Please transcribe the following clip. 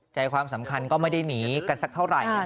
ใจความสำคัญก็ไม่ได้หนีกันสักเท่าไหร่